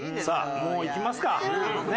さあもういきますか。